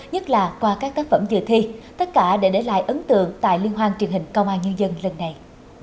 nhất là qua các tác phẩm dự thi tất cả đều để lại ấn tượng tại liên hoan truyền hình công an nhân dân lần này